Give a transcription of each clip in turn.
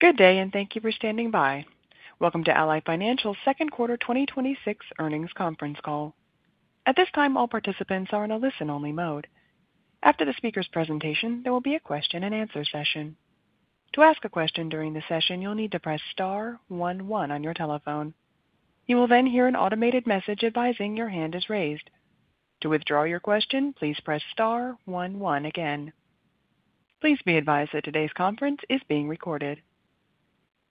Good day. Thank you for standing by. Welcome to Ally Financial second quarter 2026 earnings conference call. At this time, all participants are in a listen-only mode. After the speaker's presentation, there will be a question and answer session. To ask a question during the session, you will need to press star one one on your telephone. You will then hear an automated message advising your hand is raised. To withdraw your question, please press star one one again. Please be advised that today's conference is being recorded.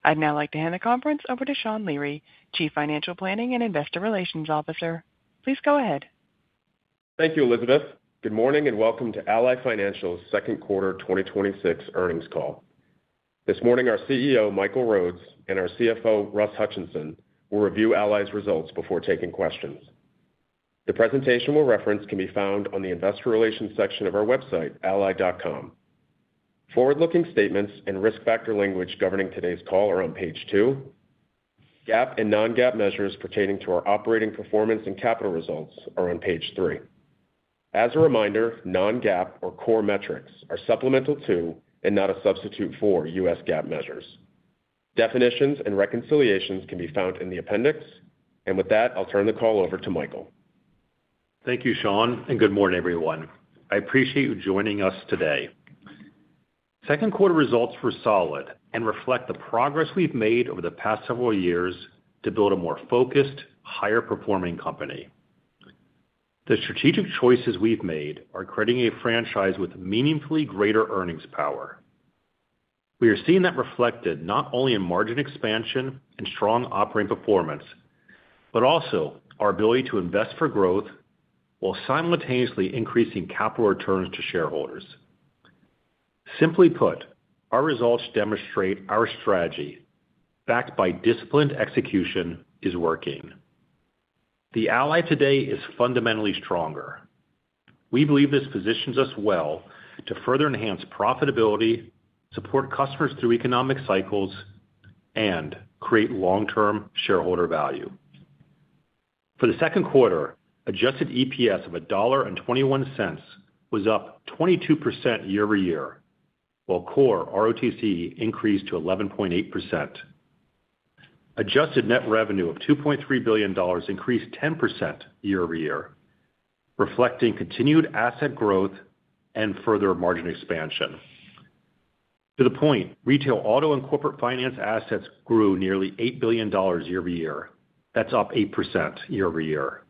I would now like to hand the conference over to Sean Leary, Chief Financial Planning and Investor Relations Officer. Please go ahead. Thank you, Elizabeth. Good morning. Welcome to Ally Financial second quarter 2026 earnings call. This morning, our CEO, Michael Rhodes, and our CFO, Russ Hutchinson, will review Ally's results before taking questions. The presentation we will reference can be found on the investor relations section of our website, ally.com. Forward-looking statements and risk factor language governing today's call are on page two. GAAP and non-GAAP measures pertaining to our operating performance and capital results are on page three. As a reminder, non-GAAP or core metrics are supplemental to and not a substitute for US GAAP measures. Definitions and reconciliations can be found in the appendix. With that, I will turn the call over to Michael. Thank you, Sean. Good morning, everyone. I appreciate you joining us today. Second quarter results were solid and reflect the progress we have made over the past several years to build a more focused, higher-performing company. The strategic choices we have made are creating a franchise with meaningfully greater earnings power. We are seeing that reflected not only in margin expansion and strong operating performance, but also our ability to invest for growth while simultaneously increasing capital returns to shareholders. Simply put, our results demonstrate our strategy, backed by disciplined execution, is working. The Ally today is fundamentally stronger. We believe this positions us well to further enhance profitability, support customers through economic cycles, and create long-term shareholder value. For the second quarter, adjusted EPS of $1.21 was up 22% year-over-year, while core ROTCE increased to 11.8%. Adjusted net revenue of $2.3 billion increased 10% year-over-year, reflecting continued asset growth and further margin expansion. To the point, retail auto and corporate finance assets grew nearly $8 billion year-over-year. That is up 8% year-over-year.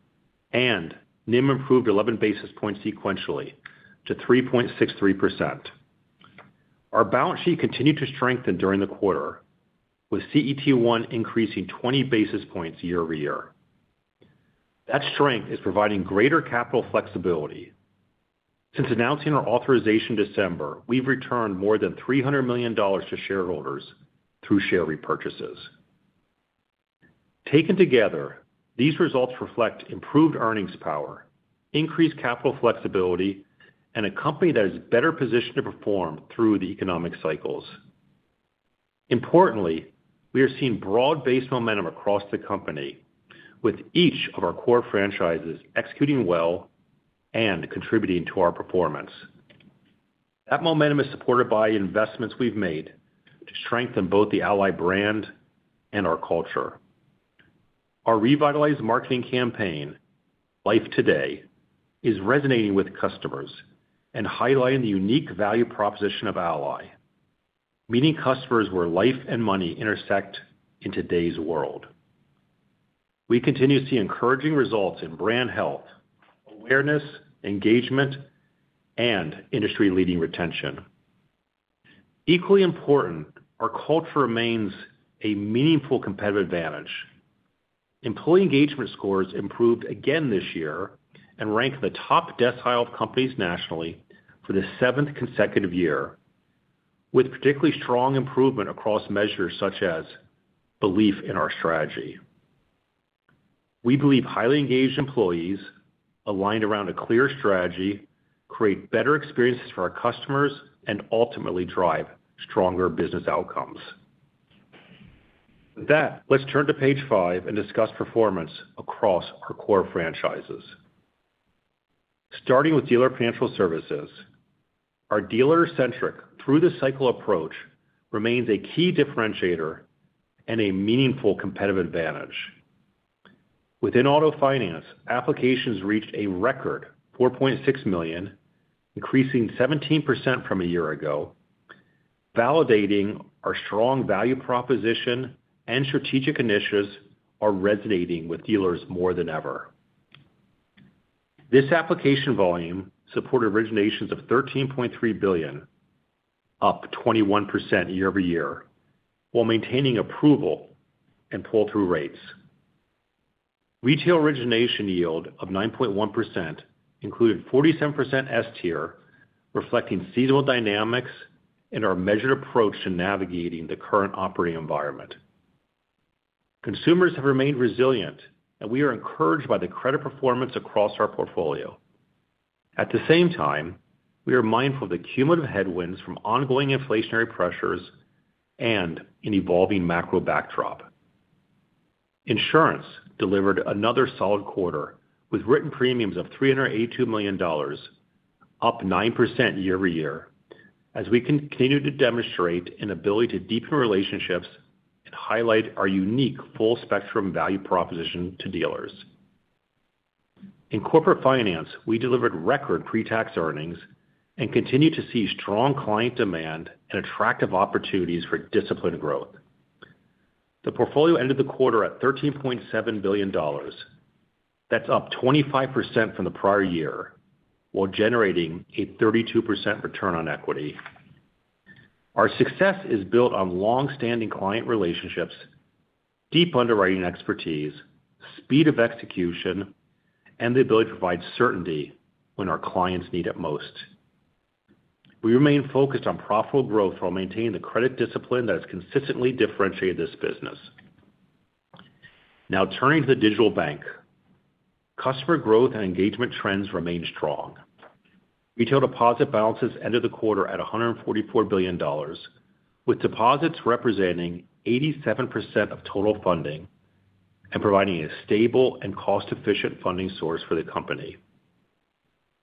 NIM improved 11 basis points sequentially to 3.63%. Our balance sheet continued to strengthen during the quarter, with CET1 increasing 20 basis points year-over-year. That strength is providing greater capital flexibility. Since announcing our authorization in December, we have returned more than $300 million to shareholders through share repurchases. Taken together, these results reflect improved earnings power, increased capital flexibility, and a company that is better positioned to perform through the economic cycles. Importantly, we are seeing broad-based momentum across the company with each of our core franchises executing well and contributing to our performance. That momentum is supported by investments we've made to strengthen both the Ally brand and our culture. Our revitalized marketing campaign, Life Today, is resonating with customers and highlighting the unique value proposition of Ally, meeting customers where life and money intersect in today's world. We continue to see encouraging results in brand health, awareness, engagement, and industry-leading retention. Equally important, our culture remains a meaningful competitive advantage. Employee engagement scores improved again this year and rank in the top decile of companies nationally for the seventh consecutive year, with particularly strong improvement across measures such as belief in our strategy. We believe highly engaged employees aligned around a clear strategy create better experiences for our customers and ultimately drive stronger business outcomes. With that, let's turn to page five and discuss performance across our core franchises. Starting with Dealer Financial Services, our dealer-centric through the cycle approach remains a key differentiator and a meaningful competitive advantage. Within Auto Finance, applications reached a record 4.6 million, increasing 17% from a year ago, validating our strong value proposition and strategic initiatives are resonating with dealers more than ever. This application volume supported originations of $13.3 billion, up 21% year over year, while maintaining approval and pull-through rates. Retail origination yield of 9.1% included 47% S tier, reflecting seasonal dynamics and our measured approach to navigating the current operating environment. Consumers have remained resilient, and we are encouraged by the credit performance across our portfolio. At the same time, we are mindful of the cumulative headwinds from ongoing inflationary pressures and an evolving macro backdrop. Insurance delivered another solid quarter with written premiums of $382 million, up 9% year over year, as we continue to demonstrate an ability to deepen relationships and highlight our unique full-spectrum value proposition to dealers. In Corporate Finance, we delivered record pre-tax earnings and continue to see strong client demand and attractive opportunities for disciplined growth. The portfolio ended the quarter at $13.7 billion. That's up 25% from the prior year, while generating a 32% return on equity. Our success is built on long-standing client relationships, deep underwriting expertise, speed of execution, and the ability to provide certainty when our clients need it most. We remain focused on profitable growth while maintaining the credit discipline that has consistently differentiated this business. Turning to the Digital Bank. Customer growth and engagement trends remain strong. Retail deposit balances ended the quarter at $144 billion, with deposits representing 87% of total funding and providing a stable and cost-efficient funding source for the company.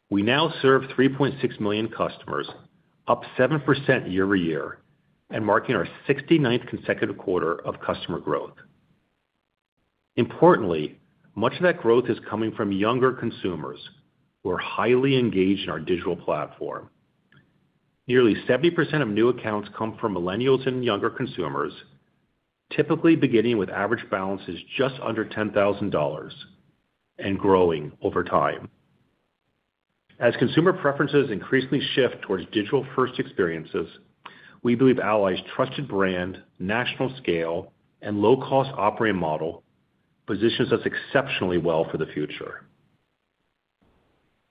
We now serve 3.6 million customers, up 7% year over year, and marking our 69th consecutive quarter of customer growth. Importantly, much of that growth is coming from younger consumers who are highly engaged in our digital platform. Nearly 70% of new accounts come from millennials and younger consumers, typically beginning with average balances just under $10,000 and growing over time. As consumer preferences increasingly shift towards digital-first experiences, we believe Ally's trusted brand, national scale, and low-cost operating model positions us exceptionally well for the future.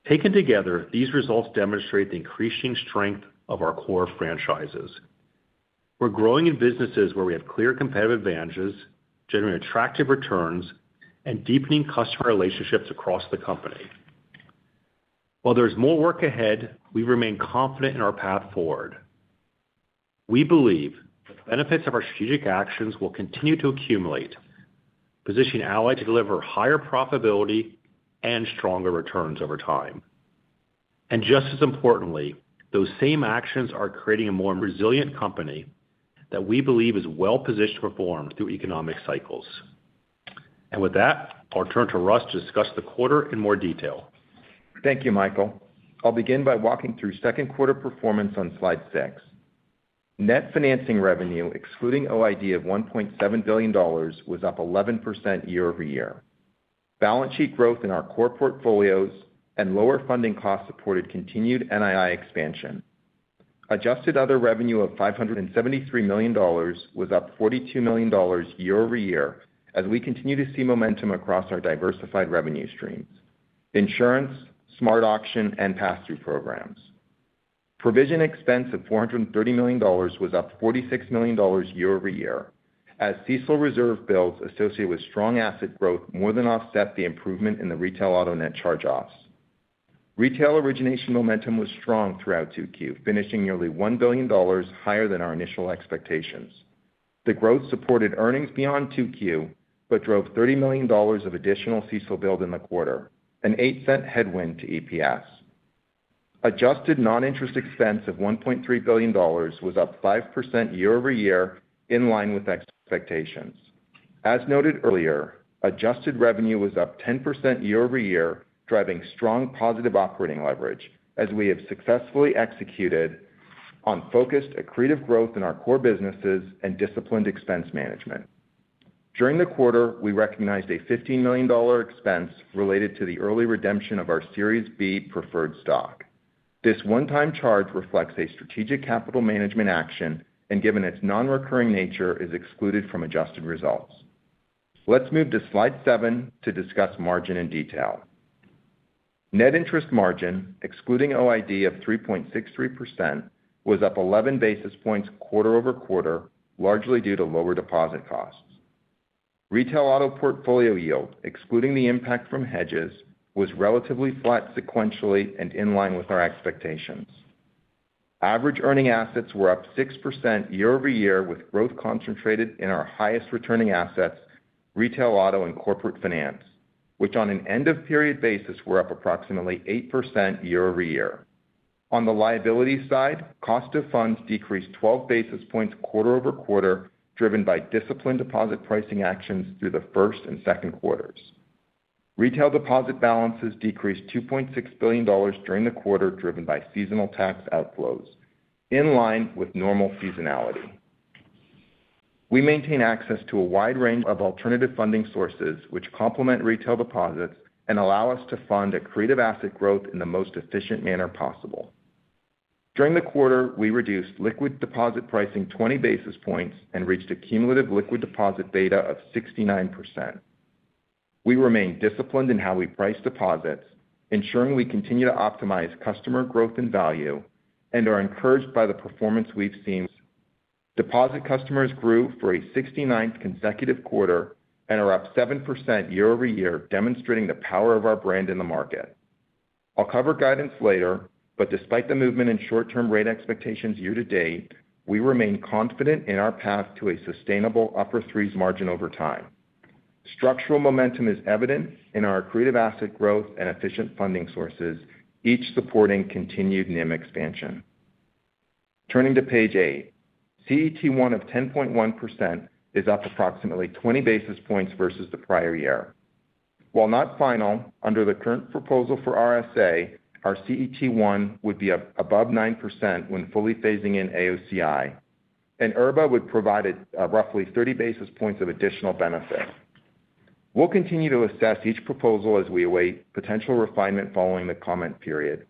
Taken together, these results demonstrate the increasing strength of our core franchises. We're growing in businesses where we have clear competitive advantages, generating attractive returns, and deepening customer relationships across the company. While there is more work ahead, we remain confident in our path forward. We believe the benefits of our strategic actions will continue to accumulate, positioning Ally to deliver higher profitability and stronger returns over time. Just as importantly, those same actions are creating a more resilient company that we believe is well-positioned to perform through economic cycles. With that, I'll turn to Russ to discuss the quarter in more detail. Thank you, Michael. I'll begin by walking through second quarter performance on slide six. Net financing revenue, excluding OID of $1.7 billion, was up 11% year-over-year. Balance sheet growth in our core portfolios and lower funding costs supported continued NII expansion. Adjusted other revenue of $573 million was up $42 million year-over-year, as we continue to see momentum across our diversified revenue streams, insurance, SmartAuction, and pass-through programs. Provision expense of $430 million was up $46 million year-over-year, as CECL reserve builds associated with strong asset growth more than offset the improvement in the retail auto net charge-offs. Retail origination momentum was strong throughout 2Q, finishing nearly $1 billion higher than our initial expectations. The growth supported earnings beyond 2Q, but drove $30 million of additional CECL build in the quarter, an $0.08 headwind to EPS. Adjusted non-interest expense of $1.3 billion was up 5% year-over-year, in line with expectations. As noted earlier, adjusted revenue was up 10% year-over-year, driving strong positive operating leverage, as we have successfully executed on focused accretive growth in our core businesses and disciplined expense management. During the quarter, we recognized a $15 million expense related to the early redemption of our Series B preferred stock. This one-time charge reflects a strategic capital management action, and given its non-recurring nature, is excluded from adjusted results. Let's move to slide seven to discuss margin in detail. Net interest margin, excluding OID of 3.63%, was up 11 basis points quarter-over-quarter, largely due to lower deposit costs. Retail auto portfolio yield, excluding the impact from hedges, was relatively flat sequentially and in line with our expectations. Average earning assets were up 6% year-over-year, with growth concentrated in our highest-returning assets, retail auto, and corporate finance, which on an end-of-period basis, were up approximately 8% year-over-year. On the liability side, cost of funds decreased 12 basis points quarter-over-quarter, driven by disciplined deposit pricing actions through the first and second quarters. Retail deposit balances decreased $2.6 billion during the quarter, driven by seasonal tax outflows, in line with normal seasonality. We maintain access to a wide range of alternative funding sources which complement retail deposits and allow us to fund accretive asset growth in the most efficient manner possible. During the quarter, we reduced liquid deposit pricing 20 basis points and reached a cumulative liquid deposit beta of 69%. We remain disciplined in how we price deposits, ensuring we continue to optimize customer growth and value and are encouraged by the performance we've seen. Deposit customers grew for a 69th consecutive quarter and are up 7% year-over-year, demonstrating the power of our brand in the market. I'll cover guidance later, but despite the movement in short-term rate expectations year to date, we remain confident in our path to a sustainable upper threes margin over time. Structural momentum is evident in our accretive asset growth and efficient funding sources, each supporting continued NIM expansion. Turning to page eight, CET1 of 10.1% is up approximately 20 basis points versus the prior year. While not final, under the current proposal for RSA, our CET1 would be above 9% when fully phasing in AOCI, and IRBA would provide roughly 30 basis points of additional benefit. We'll continue to assess each proposal as we await potential refinement following the comment period.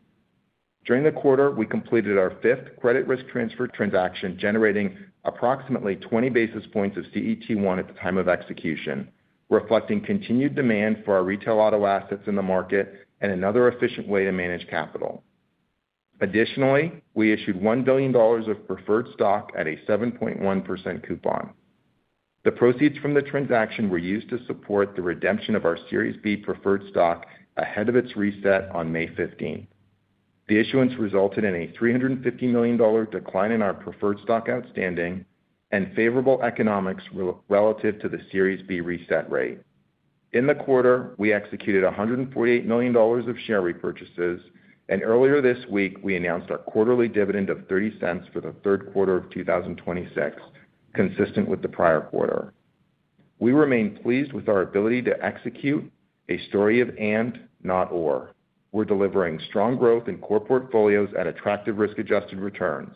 During the quarter, we completed our fifth credit risk transfer transaction, generating approximately 20 basis points of CET1 at the time of execution, reflecting continued demand for our retail auto assets in the market and another efficient way to manage capital. Additionally, we issued $1 billion of preferred stock at a 7.1% coupon. The proceeds from the transaction were used to support the redemption of our Series B preferred stock ahead of its reset on May 15. The issuance resulted in a $350 million decline in our preferred stock outstanding and favorable economics relative to the Series B reset rate. In the quarter, we executed $148 million of share repurchases, and earlier this week we announced our quarterly dividend of $0.30 for the third quarter of 2026, consistent with the prior quarter. We remain pleased with our ability to execute a story of and, not or. We're delivering strong growth in core portfolios at attractive risk-adjusted returns.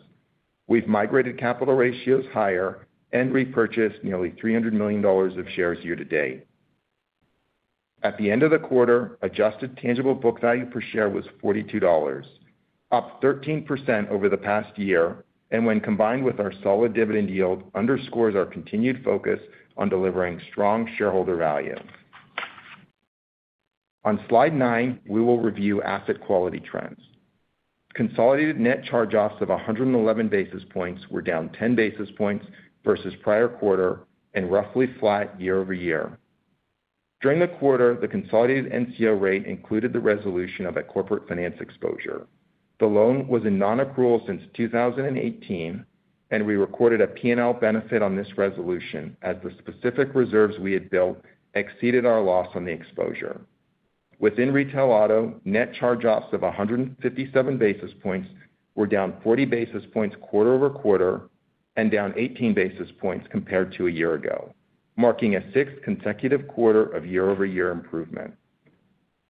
We've migrated capital ratios higher and repurchased nearly $300 million of shares year to date. At the end of the quarter, adjusted tangible book value per share was $42, up 13% over the past year, and when combined with our solid dividend yield, underscores our continued focus on delivering strong shareholder value. On slide nine, we will review asset quality trends. Consolidated Net Charge-Offs of 111 basis points were down 10 basis points versus prior quarter, and roughly flat year-over-year. During the quarter, the consolidated NCO rate included the resolution of a corporate finance exposure. The loan was in non-accrual since 2018, and we recorded a P&L benefit on this resolution as the specific reserves we had built exceeded our loss on the exposure. Within retail auto, Net Charge-Offs of 157 basis points were down 40 basis points quarter-over-quarter and down 18 basis points compared to a year ago, marking a sixth consecutive quarter of year-over-year improvement.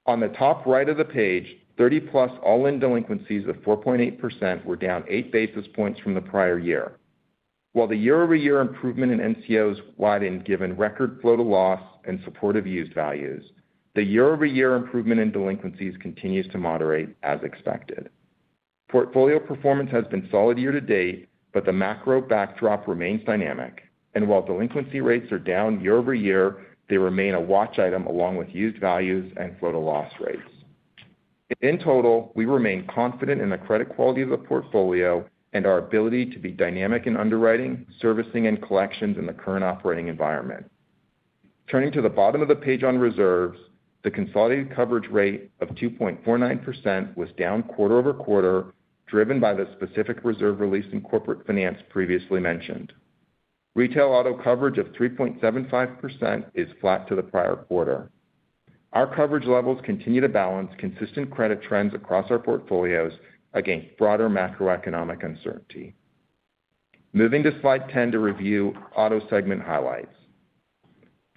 On the top right of the page, 30-plus all-in delinquencies of 4.8% were down eight basis points from the prior year. While the year-over-year improvement in NCOs widened, given record flow to loss and supportive used values, the year-over-year improvement in delinquencies continues to moderate as expected. Portfolio performance has been solid year to date, but the macro backdrop remains dynamic, and while delinquency rates are down year-over-year, they remain a watch item along with used values and flow to loss rates. In total, we remain confident in the credit quality of the portfolio and our ability to be dynamic in underwriting, servicing, and collections in the current operating environment. Turning to the bottom of the page on reserves, the consolidated coverage rate of 2.49% was down quarter-over-quarter, driven by the specific reserve release in Corporate Finance previously mentioned. Retail auto coverage of 3.75% is flat to the prior quarter. Our coverage levels continue to balance consistent credit trends across our portfolios against broader macroeconomic uncertainty. Moving to slide 10 to review auto segment highlights.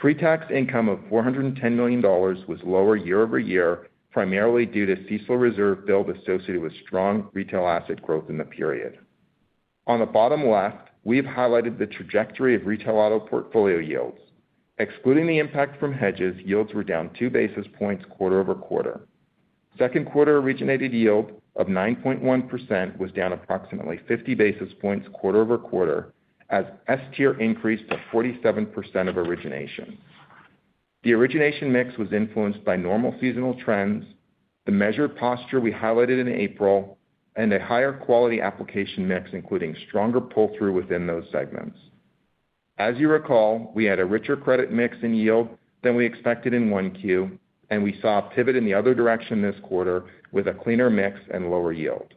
Pre-tax income of $410 million was lower year-over-year, primarily due to CECL reserve build associated with strong retail asset growth in the period. On the bottom left, we have highlighted the trajectory of retail auto portfolio yields. Excluding the impact from hedges, yields were down two basis points quarter-over-quarter. Second quarter originated yield of 9.1% was down approximately 50 basis points quarter-over-quarter, as S tier increased to 47% of origination. The origination mix was influenced by normal seasonal trends, the measured posture we highlighted in April, and a higher quality application mix, including stronger pull-through within those segments. As you recall, we had a richer credit mix in yield than we expected in 1Q, and we saw a pivot in the other direction this quarter with a cleaner mix and lower yield.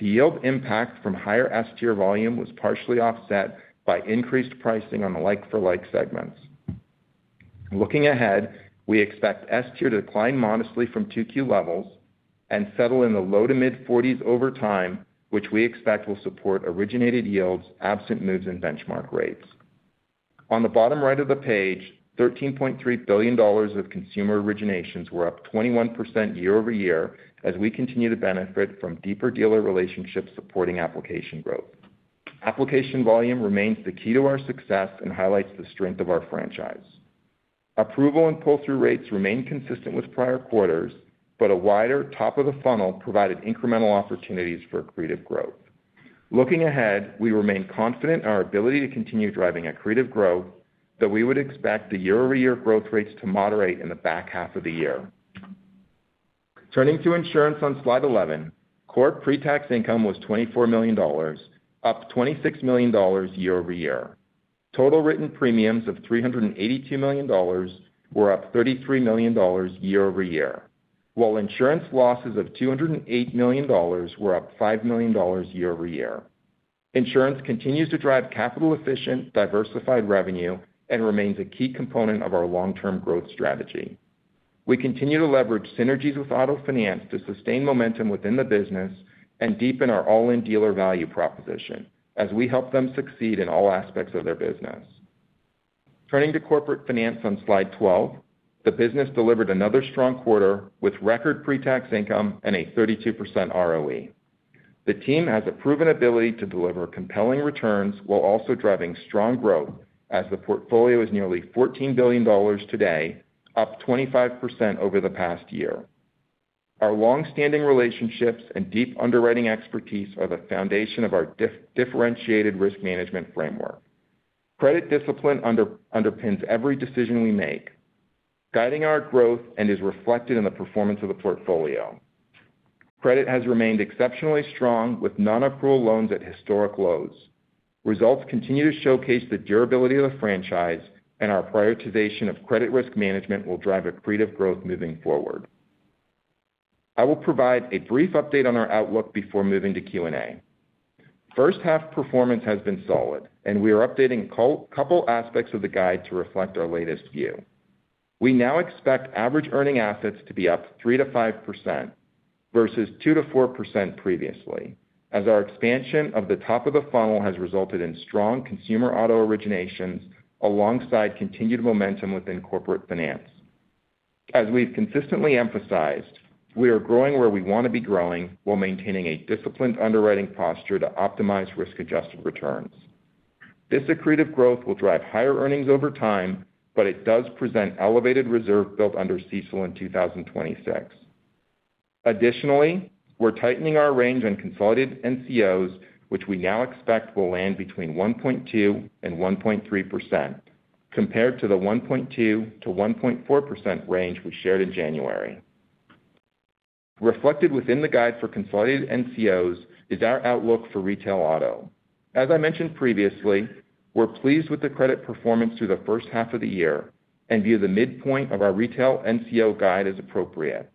The yield impact from higher S tier volume was partially offset by increased pricing on the like-for-like segments. Looking ahead, we expect S tier to decline modestly from 2Q levels and settle in the low to mid-40s over time, which we expect will support originated yields absent moves in benchmark rates. On the bottom right of the page, $13.3 billion of consumer originations were up 21% year-over-year as we continue to benefit from deeper dealer relationships supporting application growth. Application volume remains the key to our success and highlights the strength of our franchise. Approval and pull-through rates remain consistent with prior quarters. A wider top of the funnel provided incremental opportunities for accretive growth. Looking ahead, we remain confident in our ability to continue driving accretive growth, though we would expect the year-over-year growth rates to moderate in the back half of the year. Turning to insurance on slide 11, core pre-tax income was $24 million, up $26 million year-over-year. Total written premiums of $382 million were up $33 million year-over-year, while insurance losses of $208 million were up $5 million year-over-year. Insurance continues to drive capital-efficient, diversified revenue and remains a key component of our long-term growth strategy. We continue to leverage synergies with Auto Finance to sustain momentum within the business and deepen our all-in dealer value proposition as we help them succeed in all aspects of their business. Turning to Corporate Finance on slide 12, the business delivered another strong quarter with record pre-tax income and a 32% ROE. The team has a proven ability to deliver compelling returns while also driving strong growth as the portfolio is nearly $14 billion today, up 25% over the past year. Our long-standing relationships and deep underwriting expertise are the foundation of our differentiated risk management framework. Credit discipline underpins every decision we make, guiding our growth, and is reflected in the performance of the portfolio. Credit has remained exceptionally strong with non-accrual loans at historic lows. Results continue to showcase the durability of the franchise, our prioritization of credit risk management will drive accretive growth moving forward. I will provide a brief update on our outlook before moving to Q&A. First-half performance has been solid, we are updating couple aspects of the guide to reflect our latest view. We now expect average earning assets to be up 3%-5% versus 2%-4% previously, as our expansion of the top of the funnel has resulted in strong consumer auto originations alongside continued momentum within Corporate Finance. As we've consistently emphasized, we are growing where we want to be growing while maintaining a disciplined underwriting posture to optimize risk-adjusted returns. This accretive growth will drive higher earnings over time, but it does present elevated reserve built under CECL in 2026. Additionally, we're tightening our range on consolidated NCOs, which we now expect will land between 1.2% and 1.3%, compared to the 1.2%-1.4% range we shared in January. Reflected within the guide for consolidated NCOs is our outlook for Retail Auto. As I mentioned previously, we're pleased with the credit performance through the first half of the year and view the midpoint of our retail NCO guide as appropriate.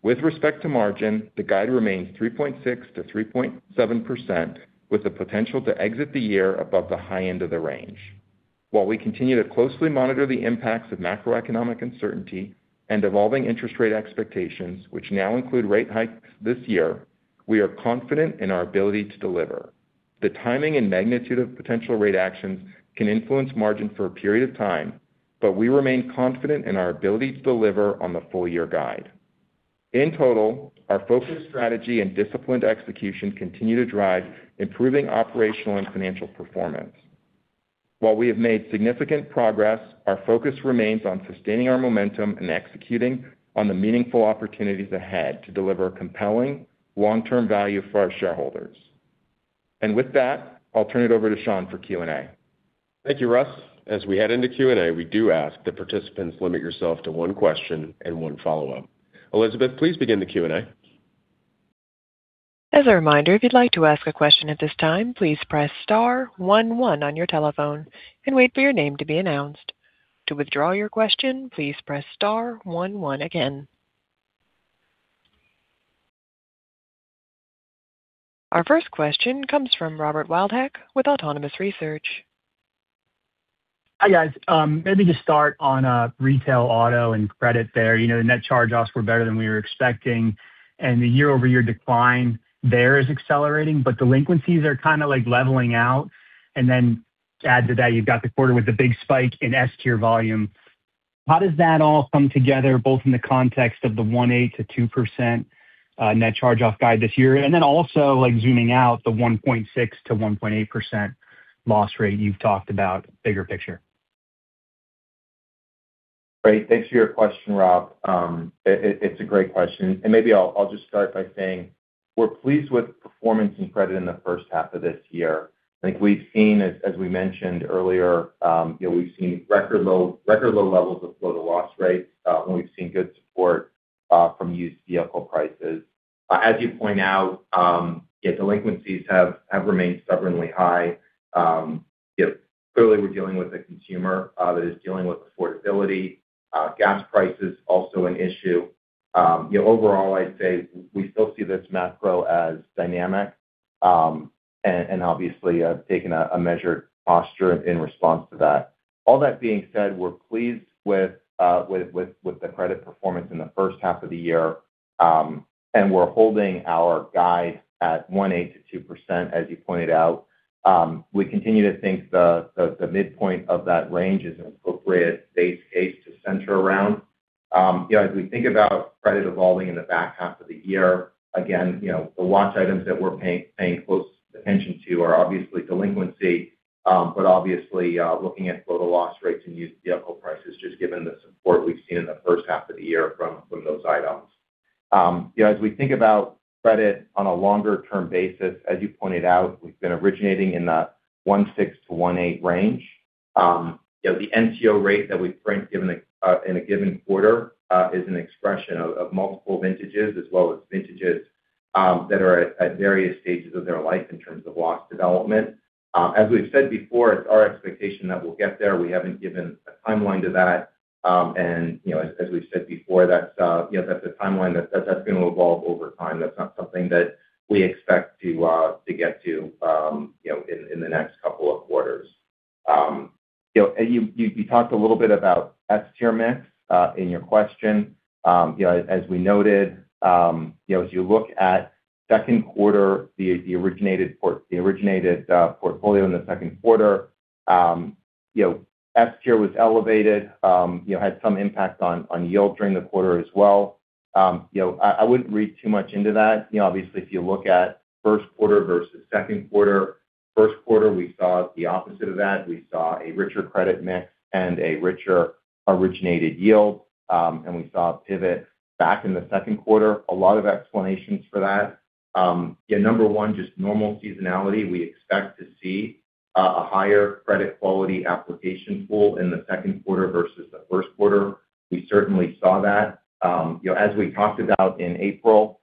With respect to margin, the guide remains 3.6%-3.7%, with the potential to exit the year above the high end of the range. While we continue to closely monitor the impacts of macroeconomic uncertainty and evolving interest rate expectations, which now include rate hikes this year, we are confident in our ability to deliver. The timing and magnitude of potential rate actions can influence margin for a period of time, we remain confident in our ability to deliver on the full-year guide. In total, our focused strategy and disciplined execution continue to drive improving operational and financial performance. While we have made significant progress, our focus remains on sustaining our momentum and executing on the meaningful opportunities ahead to deliver compelling long-term value for our shareholders. With that, I'll turn it over to Sean for Q&A. Thank you, Russ. As we head into Q&A, we do ask that participants limit yourself to one question and one follow-up. Elizabeth, please begin the Q&A. As a reminder, if you'd like to ask a question at this time, please press star one one on your telephone and wait for your name to be announced. To withdraw your question, please press star one one again. Our first question comes from Robert Wildhack with Autonomous Research. Hi, guys. Maybe to start on Retail Auto and credit there. The net charge-offs were better than we were expecting, and the year-over-year decline there is accelerating, but delinquencies are kind of leveling out. Then add to that, you've got the quarter with the big spike in S tier volume. How does that all come together, both in the context of the 1.8%-2% net charge-off guide this year, and also zooming out the 1.6%-1.8% loss rate you've talked about, bigger picture? Great. Thanks for your question, Rob. It's a great question. Maybe I'll just start by saying we're pleased with performance and credit in the first half of this year. I think as we mentioned earlier, we've seen record low levels of flow to loss rates, and we've seen good support from used vehicle prices. As you point out, yet delinquencies have remained stubbornly high. Clearly, we're dealing with a consumer that is dealing with affordability. Gas price is also an issue. Overall, I'd say we still see this macro as dynamic and obviously have taken a measured posture in response to that. All that being said, we're pleased with the credit performance in the first half of the year, and we're holding our guide at 1.8%-2%, as you pointed out. We continue to think the midpoint of that range is an appropriate base case to center around. As we think about credit evolving in the back half of the year, again the watch items that we're paying close attention to are obviously delinquency, but obviously, looking at flow to loss rates and used vehicle prices just given the support we've seen in the first half of the year from those items. As we think about credit on a longer-term basis, as you pointed out, we've been originating in the 1.6%-1.8% range. The NCO rate that we print in a given quarter is an expression of multiple vintages as well as vintages that are at various stages of their life in terms of loss development. As we've said before, it's our expectation that we'll get there. We haven't given a timeline to that. As we've said before, that's a timeline that's going to evolve over time. That's not something that we expect to get to in the next couple of quarters. You talked a little bit about S tier mix in your question. As we noted, as you look at second quarter, the originated portfolio in the second quarter, S tier was elevated, had some impact on yield during the quarter as well. I wouldn't read too much into that. Obviously, if you look at first quarter versus second quarter, first quarter, we saw the opposite of that. We saw a richer credit mix and a richer originated yield, and we saw a pivot back in the second quarter. A lot of explanations for that. Number one, just normal seasonality. We expect to see a higher credit quality application pool in the second quarter versus the first quarter. We certainly saw that. As we talked about in April,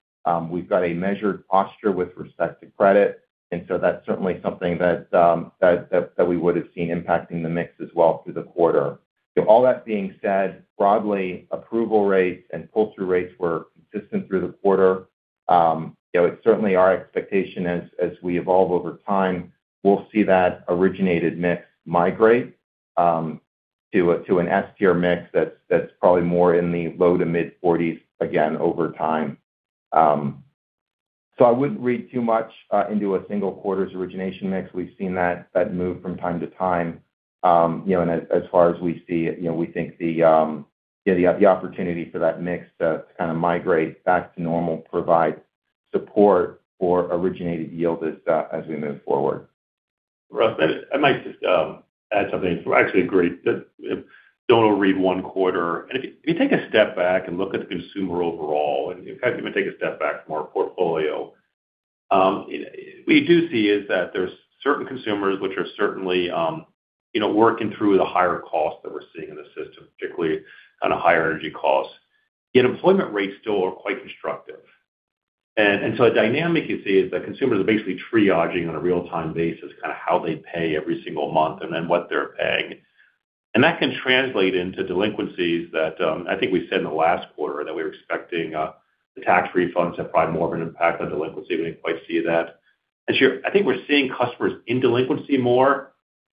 we've got a measured posture with respect to credit, and so that's certainly something that we would've seen impacting the mix as well through the quarter. All that being said, broadly, approval rates and pull-through rates were consistent through the quarter. It's certainly our expectation as we evolve over time, we'll see that originated mix migrate to an S tier mix that's probably more in the low to mid-40s again over time. I wouldn't read too much into a single quarter's origination mix. We've seen that move from time to time. As far as we see it, we think the opportunity for that mix to kind of migrate back to normal provides support for originated yield as we move forward. Russ, I might just add something. I actually agree, don't overread one quarter. If you take a step back and look at the consumer overall, and in fact, even take a step back from our portfolio, what we do see is that there's certain consumers which are certainly working through the higher costs that we're seeing in the system, particularly higher energy costs. Employment rates still are quite constructive. A dynamic you see is that consumers are basically triaging on a real-time basis how they pay every single month and then what they're paying. That can translate into delinquencies that I think we said in the last quarter that we were expecting the tax refunds to have probably more of an impact on delinquency. We didn't quite see that. I think we're seeing customers in delinquency more,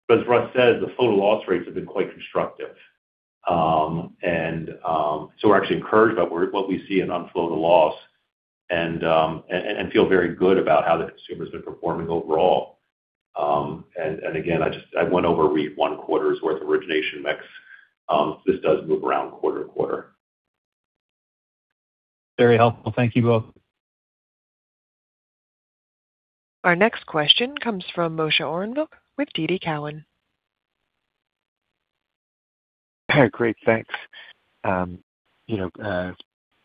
but as Russ said, the flow to loss rates have been quite constructive. We're actually encouraged by what we see in on flow to loss and feel very good about how the consumer's been performing overall. Again, I wouldn't overread one quarter's worth of origination mix. This does move around quarter to quarter. Very helpful. Thank you both. Our next question comes from Moshe Orenbuch with TD Cowen. Great. Thanks.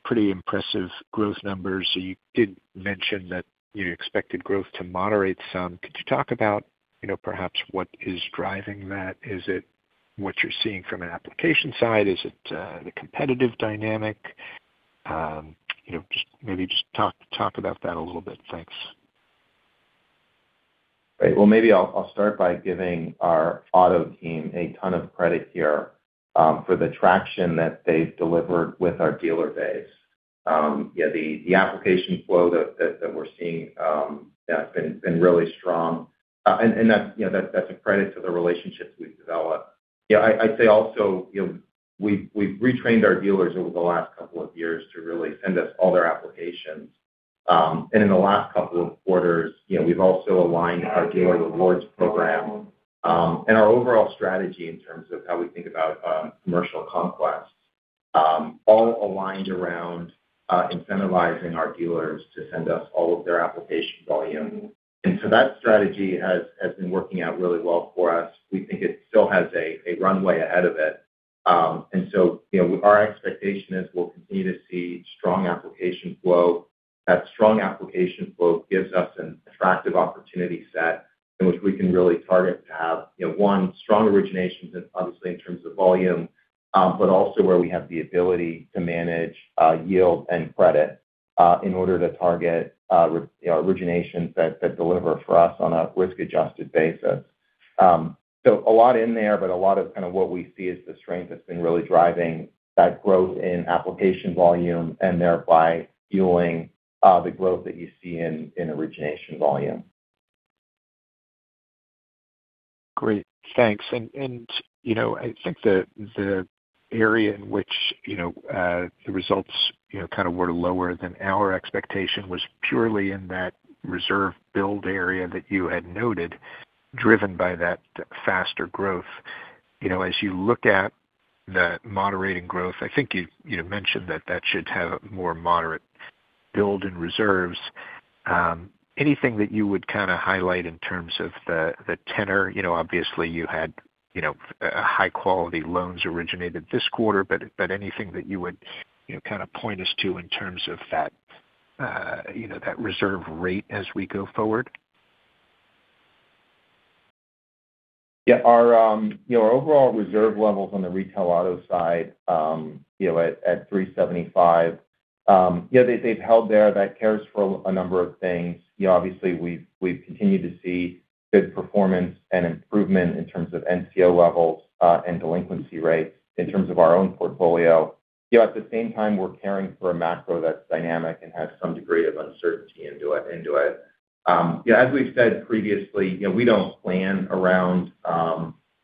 Pretty impressive growth numbers. You did mention that you expected growth to moderate some. Could you talk about perhaps what is driving that? Is it what you're seeing from an application side? Is it the competitive dynamic? Maybe just talk about that a little bit. Thanks. Great. Well, maybe I'll start by giving our auto team a ton of credit here for the traction that they've delivered with our dealer base. That's a credit to the relationships we've developed. I'd say also, we've retrained our dealers over the last couple of years to really send us all their applications. In the last couple of quarters, we've also aligned our dealer rewards program and our overall strategy in terms of how we think about commercial complex, all aligned around incentivizing our dealers to send us all of their application volume. That strategy has been working out really well for us. We think it still has a runway ahead of it. Our expectation is we'll continue to see strong application flow. That strong application flow gives us an attractive opportunity set in which we can really target to have, one, strong originations, obviously, in terms of volume, but also where we have the ability to manage yield and credit in order to target originations that deliver for us on a risk-adjusted basis. A lot in there, but a lot of what we see is the strength that's been really driving that growth in application volume and thereby fueling the growth that you see in origination volume. Great. Thanks. I think the area in which the results were lower than our expectation was purely in that reserve build area that you had noted, driven by that faster growth. As you look at the moderating growth, I think you mentioned that that should have a more moderate build in reserves. Anything that you would highlight in terms of the tenor? Obviously you had high-quality loans originated this quarter, but anything that you would point us to in terms of that reserve rate as we go forward? Yeah. Our overall reserve levels on the retail auto side at 375, they've held there. That cares for a number of things. Obviously, we've continued to see good performance and improvement in terms of NCO levels and delinquency rates in terms of our own portfolio. At the same time, we're caring for a macro that's dynamic and has some degree of uncertainty into it. As we've said previously, we don't plan around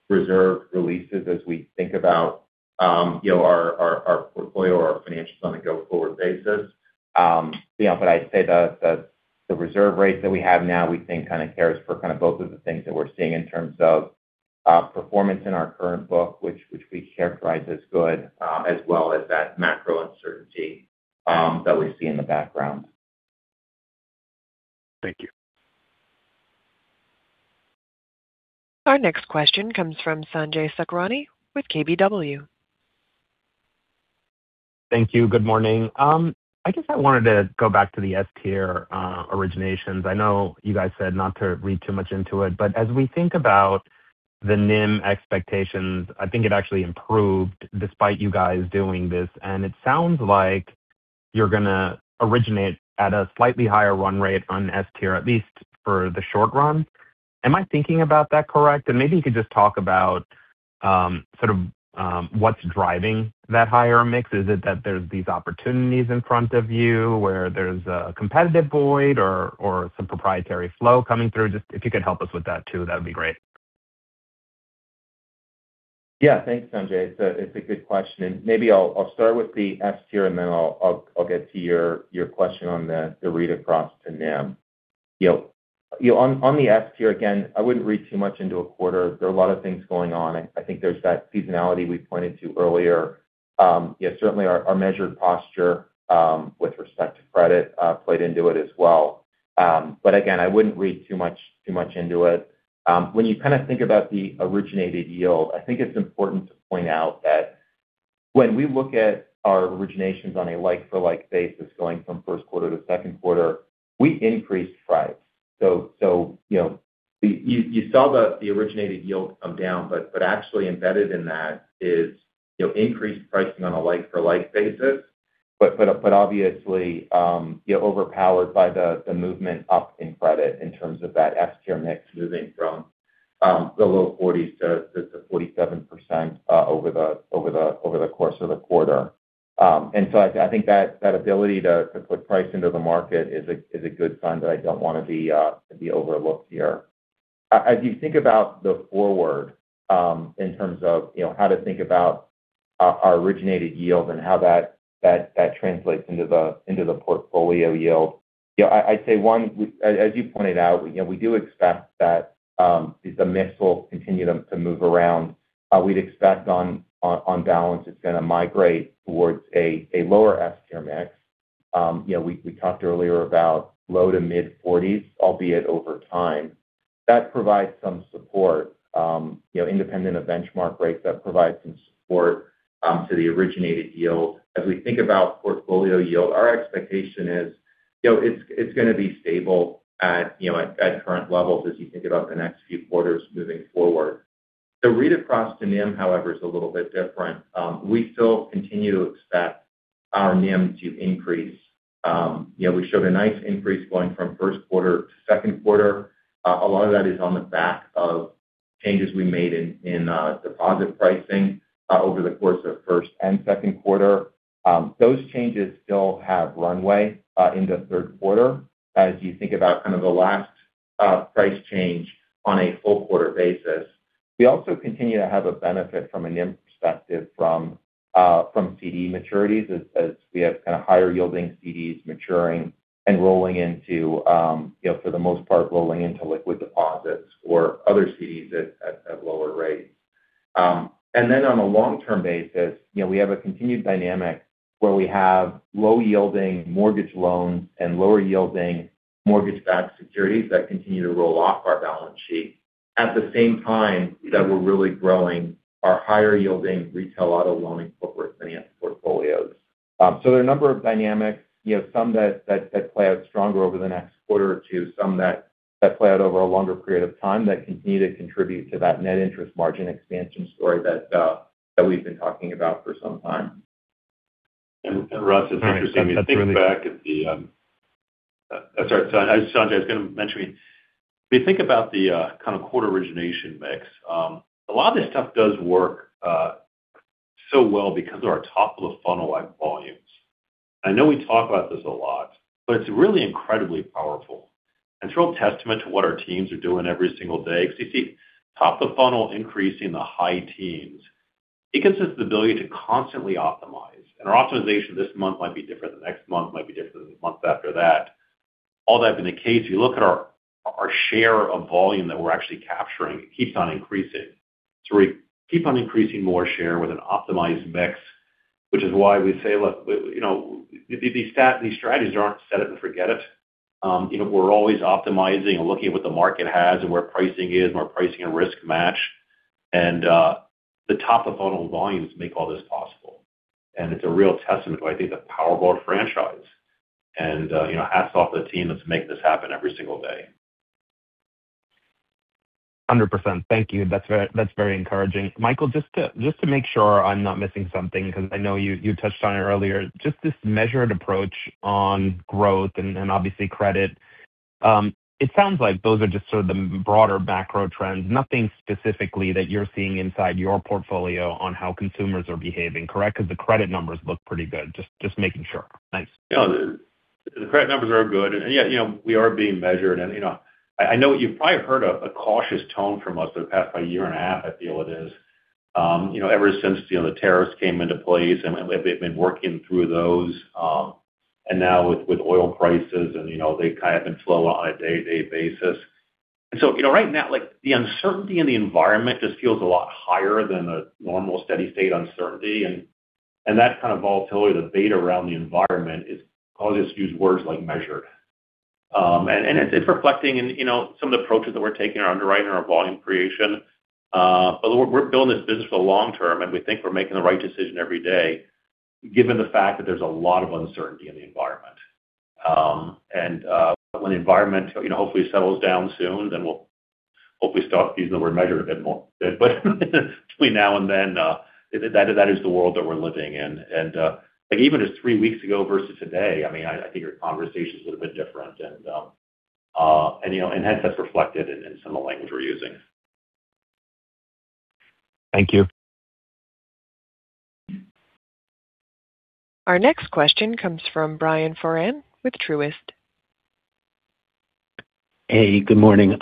reserve releases as we think about our portfolio or our financials on a go-forward basis. I'd say the reserve rates that we have now, we think, cares for both of the things that we're seeing in terms of performance in our current book, which we characterize as good, as well as that macro uncertainty that we see in the background. Thank you. Our next question comes from Sanjay Sakhrani with KBW. Thank you. Good morning. I guess I wanted to go back to the S tier originations. I know you guys said not to read too much into it, but as we think about the NIM expectations, I think it actually improved despite you guys doing this. It sounds like you're going to originate at a slightly higher run rate on S tier, at least for the short run. Am I thinking about that correctly? Maybe you could just talk about what's driving that higher mix. Is it that there's these opportunities in front of you where there's a competitive void or some proprietary flow coming through? Just if you could help us with that too, that'd be great. Yeah. Thanks, Sanjay. It's a good question. Maybe I'll start with the S tier, then I'll get to your question on the read across to NIM. On the S tier, again, I wouldn't read too much into a quarter. There are a lot of things going on. I think there's that seasonality we pointed to earlier. Certainly, our measured posture with respect to credit played into it as well. Again, I wouldn't read too much into it. When you think about the originated yield, I think it's important to point out that when we look at our originations on a like-for-like basis going from first quarter to second quarter, we increased price. You saw the originated yield come down, but actually embedded in that is increased pricing on a like-for-like basis. But obviously, overpowered by the movement up in credit in terms of that S tier mix moving from the low 40% to 47% over the course of the quarter. So I think that ability to put price into the market is a good sign that I don't want to be overlooked here. As you think about the forward in terms of how to think about our originated yield and how that translates into the portfolio yield, I'd say one, as you pointed out, we do expect that the mix will continue to move around. We'd expect on balance, it's going to migrate towards a lower S tier mix. We talked earlier about low to mid-40s, albeit over time. That provides some support. Independent of benchmark rates, that provides some support to the originated yield. As we think about portfolio yield, our expectation is it's going to be stable at current levels as you think about the next few quarters moving forward. The read across to NIM, however, is a little bit different. We still continue to expect our NIM to increase. We showed a nice increase going from first quarter to second quarter. A lot of that is on the back of changes we made in deposit pricing over the course of first and second quarter. Those changes still have runway into third quarter as you think about the last price change on a full quarter basis. We also continue to have a benefit from a NIM perspective from CD maturities as we have higher yielding CDs maturing and for the most part, rolling into liquid deposits or other CDs at lower rates. On a long-term basis, we have a continued dynamic where we have low yielding mortgage loans and lower yielding mortgage-backed securities that continue to roll off our balance sheet at the same time that we're really growing our higher yielding retail auto loan and corporate finance portfolios. There are a number of dynamics, some that play out stronger over the next quarter or two, some that play out over a longer period of time that continue to contribute to that net interest margin expansion story that we've been talking about for some time. Russ, it's interesting when you think back. Sorry, Sanjay, I was going to mention, when you think about the kind of quarter origination mix, a lot of this stuff does work so well because of our top of the funnel-like volumes. I know we talk about this a lot, but it's really incredibly powerful and it's a real testament to what our teams are doing every single day because you see top of funnel increasing the high teens. It gives us the ability to constantly optimize, and our optimization this month might be different than next month, might be different than the month after that. All that being the case, you look at our share of volume that we're actually capturing, it keeps on increasing. We keep on increasing more share with an optimized mix, which is why we say, look, these strategies aren't set it and forget it. We're always optimizing and looking at what the market has and where pricing is and where pricing and risk match, and the top of funnel volumes make all this possible. It's a real testament to, I think, the power of our franchise And hats off to the team that's making this happen every single day. 100%. Thank you. That's very encouraging. Michael, just to make sure I'm not missing something, because I know you touched on it earlier, just this measured approach on growth and obviously credit. It sounds like those are just sort of the broader macro trends. Nothing specifically that you're seeing inside your portfolio on how consumers are behaving, correct? The credit numbers look pretty good. Just making sure. Thanks. Yeah. The credit numbers are good. Yet we are being measured. I know you've probably heard a cautious tone from us over the past year and a half, I feel it is. Ever since the tariffs came into place, they've been working through those. Now with oil prices, they ebb and flow on a day-to-day basis. Right now, the uncertainty in the environment just feels a lot higher than a normal steady state uncertainty. That kind of volatility, the beta around the environment, I'll just use words like measured. It's reflecting in some of the approaches that we're taking in our underwriting, our volume creation. We're building this business for the long term, and we think we're making the right decision every day, given the fact that there's a lot of uncertainty in the environment. When the environment hopefully settles down soon, then we'll hopefully stop using the word measured a bit more. Between now and then, that is the world that we're living in. Even just three weeks ago versus today, I think our conversation's a little bit different. Hence that's reflected in some of the language we're using. Thank you. Our next question comes from Brian Foran with Truist. Hey, good morning.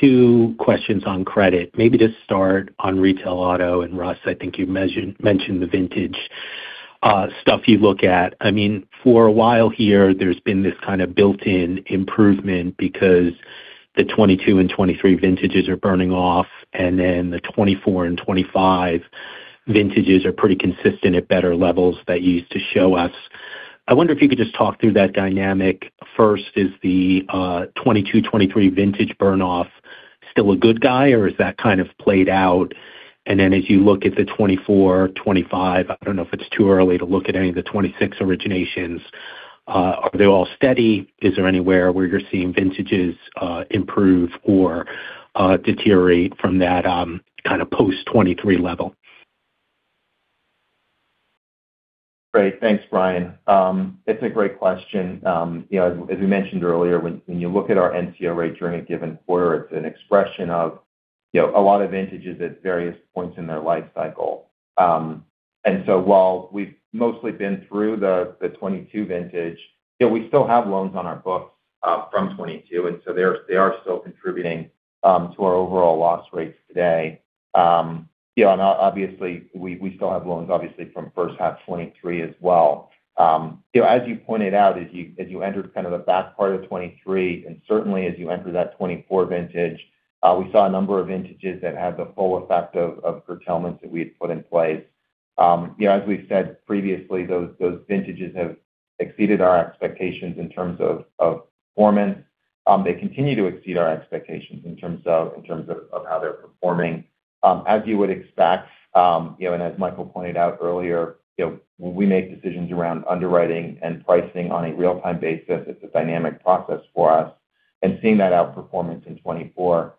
Two questions on credit. Maybe just start on retail auto. Russ, I think you mentioned the vintage stuff you look at. For a while here, there's been this kind of built-in improvement because the 2022 and 2023 vintages are burning off, and then the 2024 and 2025 vintages are pretty consistent at better levels that you used to show us. I wonder if you could just talk through that dynamic. First, is the 2022, 2023 vintage burn-off still a good guy, or is that kind of played out? As you look at the 2024, 2025, I don't know if it's too early to look at any of the 2026 originations. Are they all steady? Is there anywhere where you're seeing vintages improve or deteriorate from that post 2023 level? Great. Thanks, Brian. It's a great question. As we mentioned earlier, when you look at our NCO rate during a given quarter, it's an expression of a lot of vintages at various points in their life cycle. While we've mostly been through the 2022 vintage, we still have loans on our books from 2022, they are still contributing to our overall loss rates today. Obviously, we still have loans from the first half of 2023 as well. As you pointed out, as you entered the back part of 2023, certainly as you enter that 2024 vintage, we saw a number of vintages that had the full effect of curtailments that we had put in place. We've said previously, those vintages have exceeded our expectations in terms of performance. They continue to exceed our expectations in terms of how they're performing. As you would expect, as Michael pointed out earlier, we make decisions around underwriting and pricing on a real-time basis. It's a dynamic process for us. Seeing that outperformance in 2024,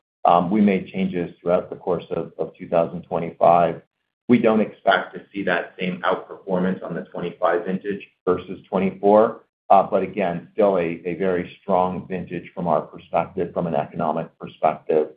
we made changes throughout the course of 2025. We don't expect to see that same outperformance on the 2025 vintage versus 2024. Again, still a very strong vintage from our perspective, from an economic perspective.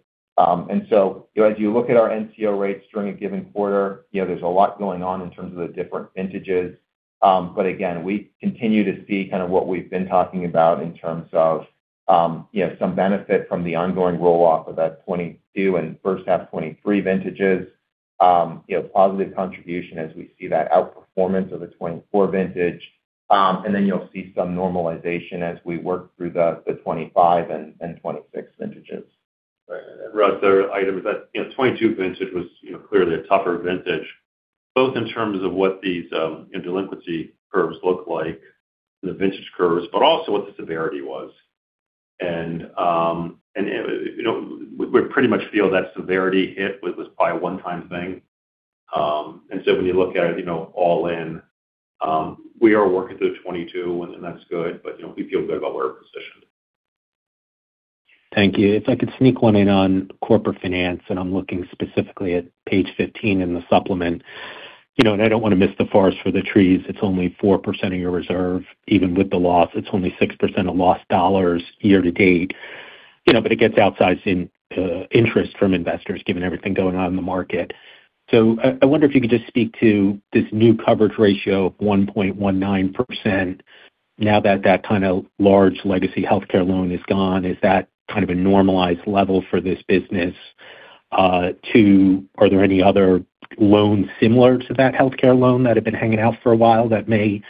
As you look at our NCO rates during a given quarter, there's a lot going on in terms of the different vintages. Again, we continue to see what we've been talking about in terms of some benefit from the ongoing roll-off of that 2022 and first half 2023 vintages. Positive contribution as we see that outperformance of the 2024 vintage. Then you'll see some normalization as we work through the 2025 and 2026 vintages. Right. Russ, the other item is that 2022 vintage was clearly a tougher vintage, both in terms of what these delinquency curves look like, the vintage curves, but also what the severity was. We pretty much feel that severity hit was probably a one-time thing. When you look at it all in, we are working through 2022, and that's good, but we feel good about where we're positioned. Thank you. If I could sneak one in on corporate finance, I'm looking specifically at page 15 in the supplement. I don't want to miss the forest for the trees. It's only 4% of your reserve. Even with the loss, it's only 6% of lost dollars year-to-date. It gets outsized interest from investors, given everything going on in the market. I wonder if you could just speak to this new coverage ratio of 1.19% now that that kind of large legacy healthcare loan is gone. Is that kind of a normalized level for this business? Two, are there any other loans similar to that healthcare loan that have been hanging out for a while that may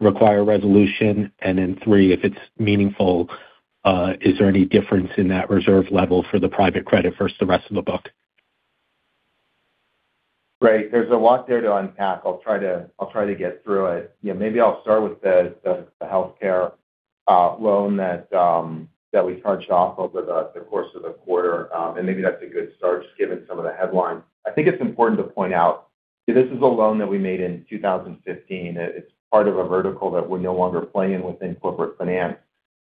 require resolution? Then three, if it's meaningful, is there any difference in that reserve level for the private credit versus the rest of the book? Right. There's a lot there to unpack. I'll try to get through it. Maybe I'll start with the healthcare loan that we charged off over the course of the quarter. Maybe that's a good start, just given some of the headlines. I think it's important to point out This is a loan that we made in 2015. It's part of a vertical that we're no longer playing within corporate finance.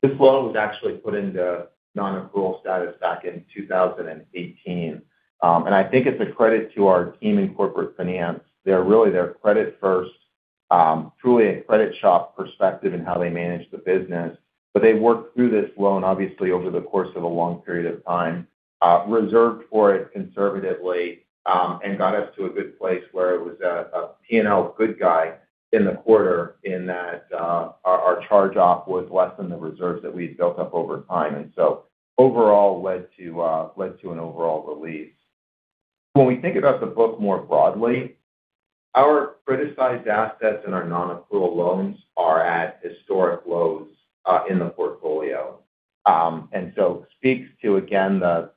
This loan was actually put into non-accrual status back in 2018. I think it's a credit to our team in corporate finance. They're credit first, truly a credit shop perspective in how they manage the business. They worked through this loan, obviously, over the course of a long period of time, reserved for it conservatively, and got us to a good place where it was a P&L good guy in the quarter in that our charge-off was less than the reserves that we'd built up over time. Overall, led to an overall relief. When we think about the book more broadly, our criticized assets and our non-accrual loans are at historic lows in the portfolio. Speaks to, again, the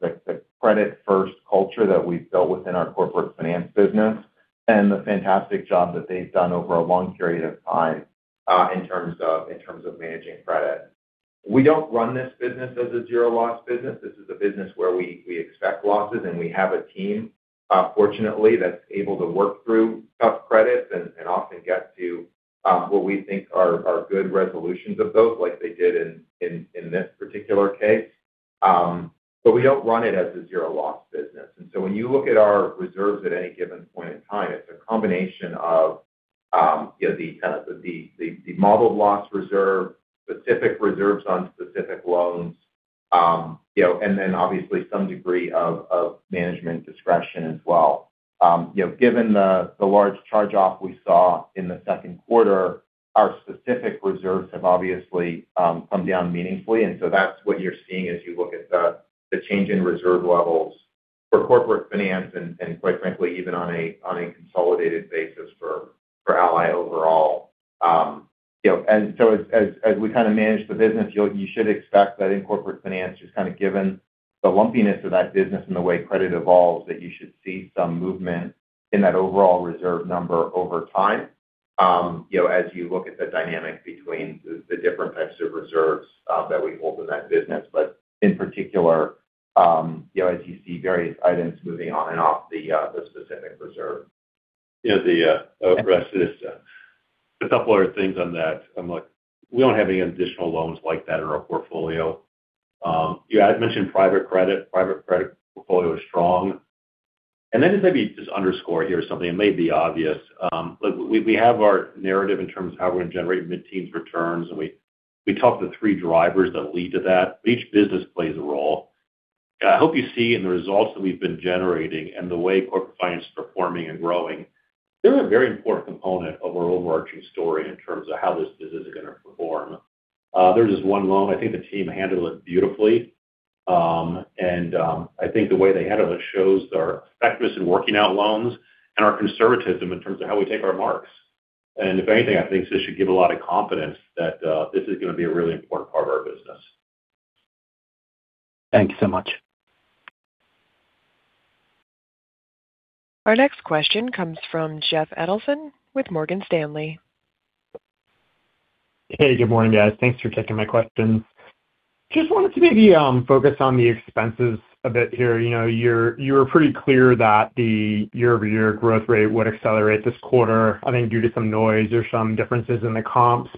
credit first culture that we've built within our corporate finance business and the fantastic job that they've done over a long period of time in terms of managing credit. We don't run this business as a zero loss business. This is a business where we expect losses, and we have a team, fortunately, that's able to work through tough credits and often get to what we think are good resolutions of those, like they did in this particular case. We don't run it as a zero loss business. When you look at our reserves at any given point in time, it's a combination of the modeled loss reserve, specific reserves on specific loans, and then obviously some degree of management discretion as well. Given the large charge-off we saw in the second quarter, our specific reserves have obviously come down meaningfully, that's what you're seeing as you look at the change in reserve levels for corporate finance, and quite frankly, even on a consolidated basis for Ally overall. As we manage the business, you should expect that in corporate finance, just given the lumpiness of that business and the way credit evolves, that you should see some movement in that overall reserve number over time as you look at the dynamics between the different types of reserves that we hold in that business. In particular as you see various items moving on and off the specific reserve. Russ, just a couple other things on that. We don't have any additional loans like that in our portfolio. I'd mentioned private credit. Private credit portfolio is strong. Just maybe just underscore here something, it may be obvious. We have our narrative in terms of how we're going to generate mid-teens returns, and we talk the three drivers that lead to that, but each business plays a role. I hope you see in the results that we've been generating and the way corporate finance is performing and growing, they're a very important component of our overarching story in terms of how this business is going to perform. There's this one loan, I think the team handled it beautifully. I think the way they handled it shows our effectiveness in working out loans and our conservatism in terms of how we take our marks. If anything, I think this should give a lot of confidence that this is going to be a really important part of our business. Thank you so much. Our next question comes from Jeff Adelson with Morgan Stanley. Hey, good morning, guys. Thanks for taking my questions. Just wanted to maybe focus on the expenses a bit here. You were pretty clear that the year-over-year growth rate would accelerate this quarter, I think due to some noise or some differences in the comps.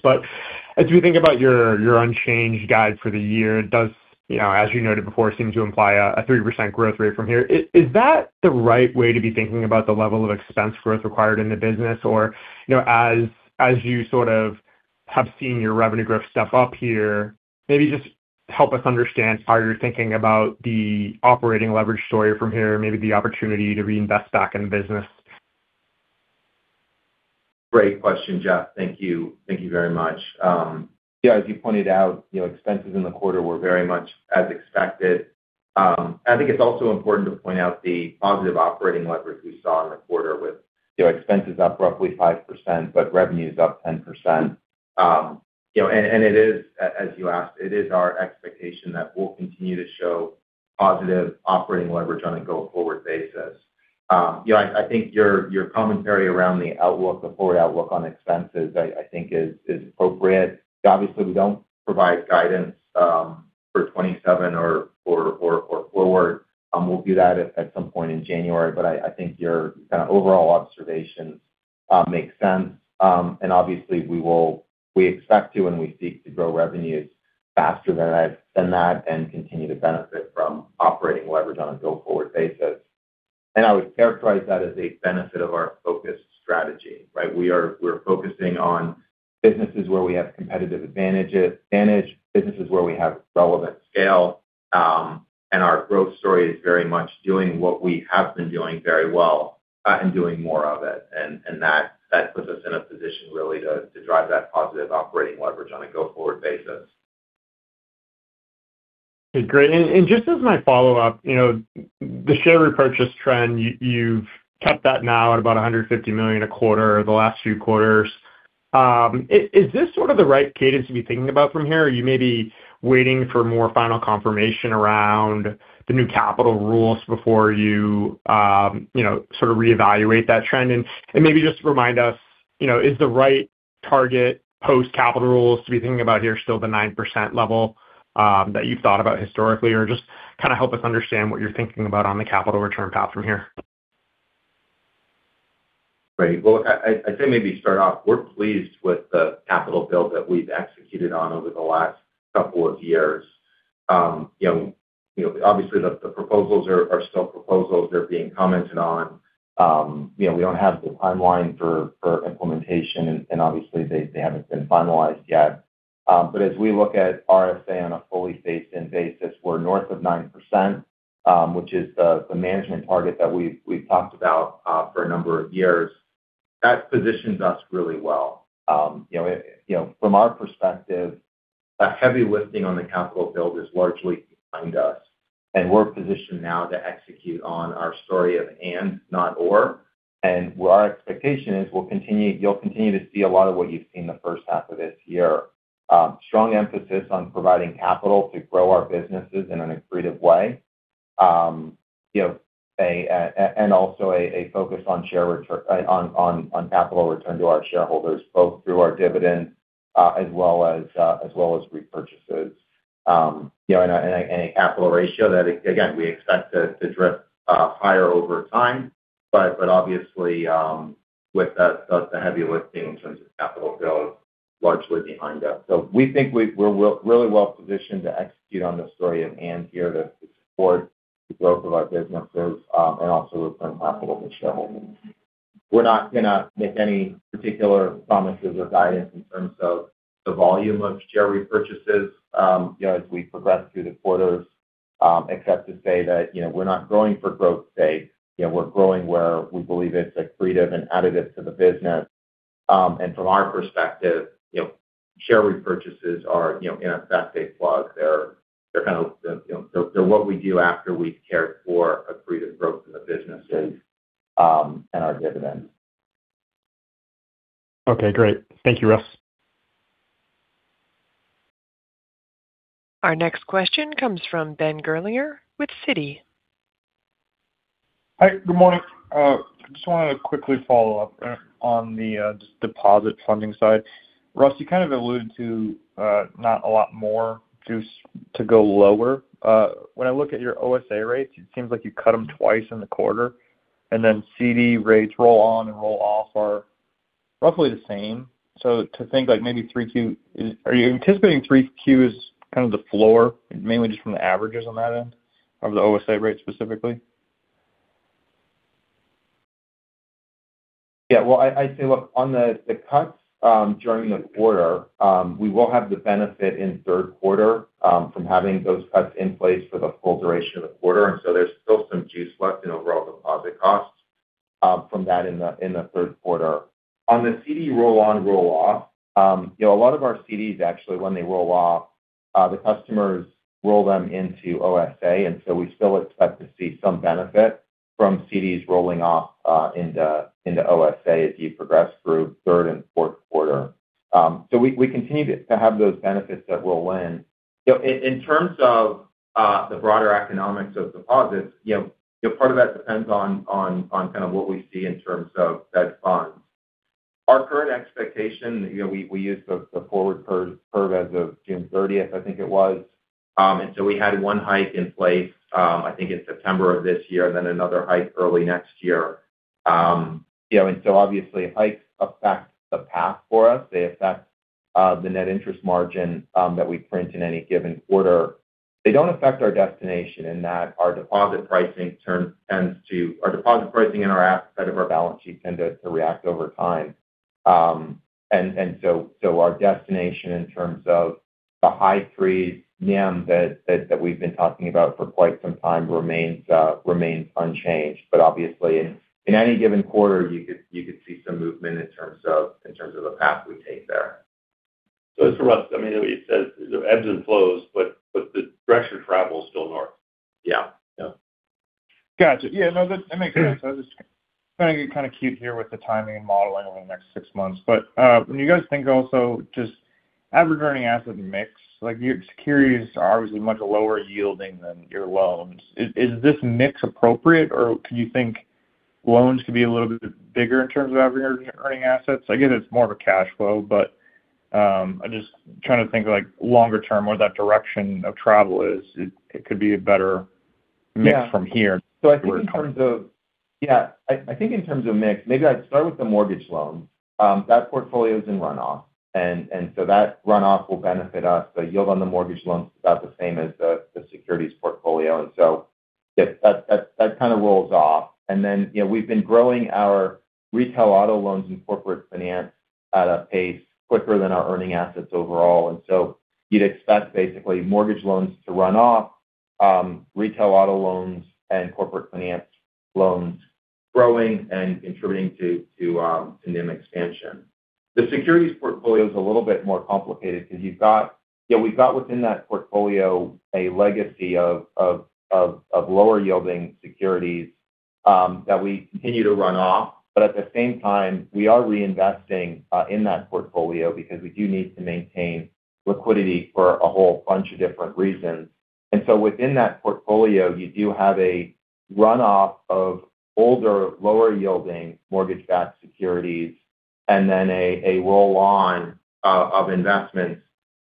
As we think about your unchanged guide for the year, it does as you noted before, seem to imply a 3% growth rate from here. Is that the right way to be thinking about the level of expense growth required in the business? As you sort of have seen your revenue growth step up here, maybe just help us understand how you're thinking about the operating leverage story from here, maybe the opportunity to reinvest back in the business. Great question, Jeff. Thank you very much. As you pointed out, expenses in the quarter were very much as expected. I think it's also important to point out the positive operating leverage we saw in the quarter with expenses up roughly 5%, but revenues up 10%. As you asked, it is our expectation that we'll continue to show positive operating leverage on a go-forward basis. I think your commentary around the forward outlook on expenses, I think is appropriate. Obviously, we don't provide guidance for 2027 or forward. We'll do that at some point in January, but I think your kind of overall observations make sense. Obviously we expect to, and we seek to grow revenues faster than that and continue to benefit from operating leverage on a go-forward basis. I would characterize that as a benefit of our focused strategy, right? We're focusing on businesses where we have competitive advantage, businesses where we have relevant scale. Our growth story is very much doing what we have been doing very well, and doing more of it. That puts us in a position really to drive that positive operating leverage on a go-forward basis. Great. Just as my follow-up, the share repurchase trend, you've kept that now at about $150 million a quarter the last few quarters. Is this sort of the right cadence to be thinking about from here? Are you maybe waiting for more final confirmation around the new capital rules before you sort of reevaluate that trend? Maybe just remind us, is the right Target post capital rules to be thinking about here still the 9% level that you've thought about historically, or just kind of help us understand what you're thinking about on the capital return path from here. Right. Well, I'd say maybe start off, we're pleased with the capital build that we've executed on over the last couple of years. Obviously, the proposals are still proposals. They're being commented on. We don't have the timeline for implementation, and obviously they haven't been finalized yet. As we look at RSA on a fully stated basis, we're north of 9%, which is the management target that we've talked about for a number of years. That positions us really well. From our perspective, a heavy lifting on the capital build is largely behind us, and we're positioned now to execute on our story of and, not or. Our expectation is you'll continue to see a lot of what you've seen the first half of this year. Strong emphasis on providing capital to grow our businesses in an accretive way, and also a focus on capital return to our shareholders, both through our dividend as well as repurchases. A capital ratio that, again, we expect to drift higher over time, but obviously, with the heavy lifting in terms of capital build largely behind us. We think we're really well positioned to execute on the story of and here to support the growth of our businesses, and also return capital to shareholders. We're not going to make any particular promises or guidance in terms of the volume of share repurchases as we progress through the quarters, except to say that we're not growing for growth's sake. We're growing where we believe it's accretive and additive to the business. From our perspective, share repurchases are in effect a plug. They're what we do after we've cared for accretive growth in the businesses, and our dividends. Okay, great. Thank you, Russ. Our next question comes from Ben Gerlinger with Citi. Hi, good morning. I just wanted to quickly follow up on the deposit funding side. Russ, you kind of alluded to not a lot more juice to go lower. When I look at your OSA rates, it seems like you cut them twice in the quarter, and then CD rates roll on and roll off are roughly the same. Are you anticipating 3Q as kind of the floor, mainly just from the averages on that end of the OSA rate specifically? Yeah. Well, I'd say, look, on the cuts during the quarter, we will have the benefit in third quarter from having those cuts in place for the full duration of the quarter, there's still some juice left in overall deposit costs from that in the third quarter. On the CD roll on, roll off, a lot of our CDs actually when they roll off, the customers roll them into OSA, we still expect to see some benefit from CDs rolling off into OSA as you progress through third and fourth quarter. We continue to have those benefits that roll in. In terms of the broader economics of deposits, part of that depends on kind of what we see in terms of Fed funds. Our current expectation, we use the forward curve as of June 30th, I think it was. We had one hike in place I think in September of this year, then another hike early next year. Obviously, hikes affect the path for us. They affect the net interest margin that we print in any given quarter. They don't affect our destination in that our deposit pricing and our asset side of our balance sheet tend to react over time. Our destination in terms of the high threes NIM that we've been talking about for quite some time remains unchanged. Obviously, in any given quarter, you could see some movement in terms of the path we take there. As for us, I mean, as you said, it ebbs and flows, but the direction of travel is still north. Yeah. Yeah. Got you. Yeah, no, that makes sense. I was just trying to get kind of cute here with the timing and modeling over the next six months. When you guys think also just average earning asset mix, like your securities are obviously much lower yielding than your loans. Is this mix appropriate, or could you think loans could be a little bit bigger in terms of average earning assets? I get it's more of a cash flow, but I'm just trying to think like longer term where that direction of travel is. It could be a better mix from here. Yeah. I think in terms of mix, maybe I'd start with the mortgage loans. That portfolio is in runoff, that runoff will benefit us. The yield on the mortgage loans is about the same as the securities portfolio. That kind of rolls off. We've been growing our retail auto loans and corporate finance at a pace quicker than our earning assets overall. You'd expect basically mortgage loans to run off, retail auto loans and corporate finance loans growing and contributing to NIM expansion. The securities portfolio is a little bit more complicated because we've got within that portfolio a legacy of lower yielding securities that we continue to run off. At the same time, we are reinvesting in that portfolio because we do need to maintain liquidity for a whole bunch of different reasons. Within that portfolio, you do have a runoff of older, lower-yielding mortgage-backed securities and then a roll-on of investments.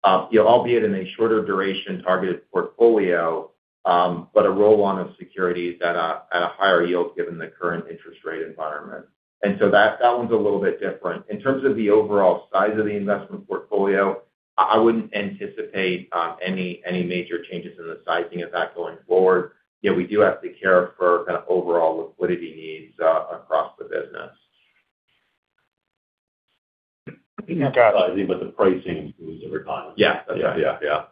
Albeit in a shorter duration targeted portfolio, a roll-on of securities that are at a higher yield given the current interest rate environment. That one's a little bit different. In terms of the overall size of the investment portfolio, I wouldn't anticipate any major changes in the sizing of that going forward. We do have to care for kind of overall liquidity needs across the business. Got it. The pricing moves every time. Yeah. That's right. Yeah.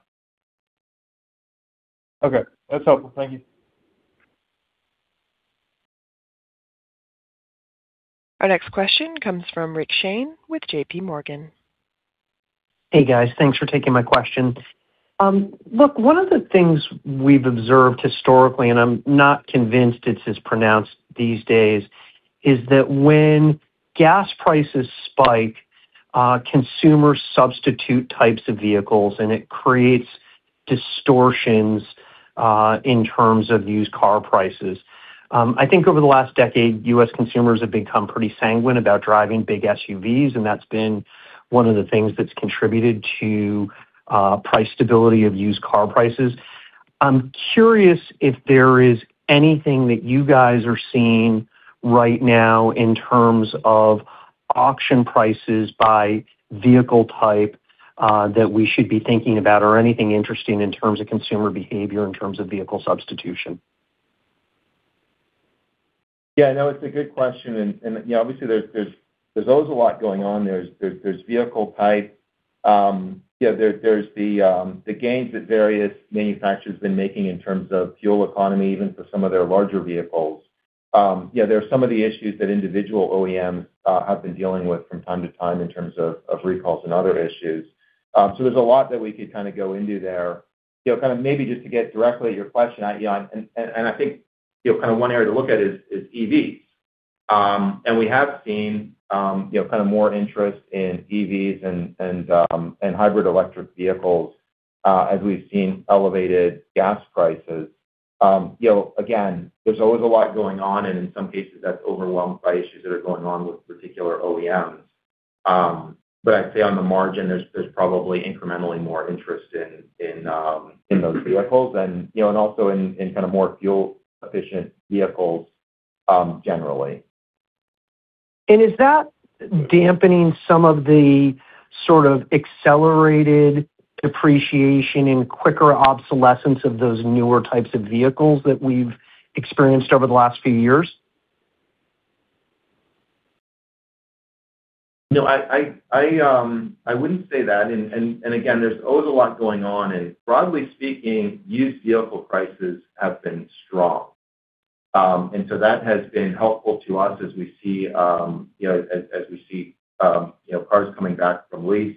Okay, that's helpful. Thank you. Our next question comes from Rich Shane with JPMorgan. Hey, guys. Thanks for taking my question. Look, one of the things we've observed historically, and I'm not convinced it's as pronounced these days, is that when gas prices spike, consumers substitute types of vehicles, and it creates distortions in terms of used car prices. I think over the last decade, U.S. consumers have become pretty sanguine about driving big SUVs, and that's been one of the things that's contributed to price stability of used car prices. I'm curious if there is anything that you guys are seeing right now in terms of auction prices by vehicle type that we should be thinking about or anything interesting in terms of consumer behavior in terms of vehicle substitution. Yeah, no, it's a good question. Obviously there's always a lot going on. There's vehicle type. There's the gains that various manufacturers have been making in terms of fuel economy, even for some of their larger vehicles. There are some of the issues that individual OEMs have been dealing with from time to time in terms of recalls and other issues. There's a lot that we could kind of go into there. Maybe just to get directly at your question. I think one area to look at is EVs. We have seen more interest in EVs and hybrid electric vehicles as we've seen elevated gas prices. Again, there's always a lot going on, and in some cases, that's overwhelmed by issues that are going on with particular OEMs. I'd say on the margin, there's probably incrementally more interest in those vehicles and also in kind of more fuel-efficient vehicles generally. Is that dampening some of the sort of accelerated depreciation and quicker obsolescence of those newer types of vehicles that we've experienced over the last few years? No, I wouldn't say that. Again, there's always a lot going on, and broadly speaking, used vehicle prices have been strong. That has been helpful to us as we see cars coming back from lease,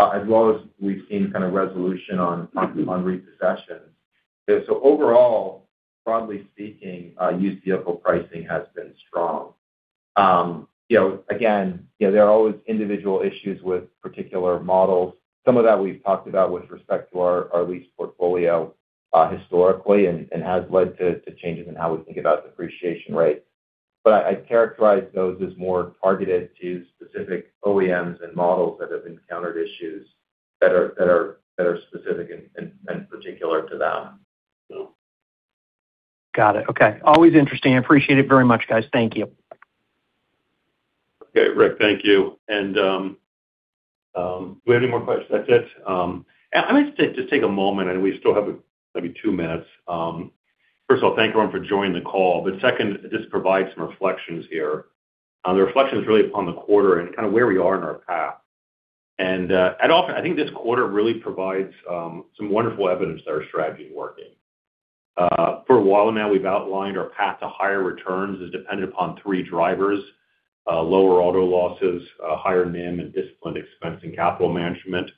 as well as we've seen kind of resolution on repossessions. Overall, broadly speaking, used vehicle pricing has been strong. Again, there are always individual issues with particular models. Some of that we've talked about with respect to our lease portfolio historically and has led to changes in how we think about depreciation rates. I'd characterize those as more targeted to specific OEMs and models that have encountered issues that are specific and particular to them. Got it. Okay. Always interesting. Appreciate it very much, guys. Thank you. Okay. Rich, thank you. Do we have any more questions? That's it? I might just take a moment, I know we still have maybe two minutes. First of all, thank everyone for joining the call. Second, just provide some reflections here. The reflections really upon the quarter and kind of where we are in our path. I think this quarter really provides some wonderful evidence that our strategy is working. For a while now, we've outlined our path to higher returns as dependent upon three drivers, lower auto losses, higher NIM, and disciplined expense and capital management.